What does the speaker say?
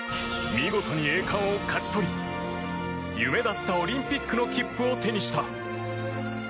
見事に栄冠を勝ち取り夢だったオリンピックの切符を手にした。